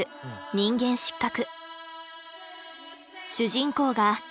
「人間失格」。